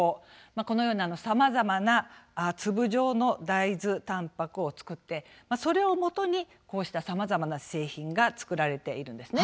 このような、さまざまな粒状の大豆たんぱくを作ってそれをもとにこうしたさまざまな製品が作られているんです。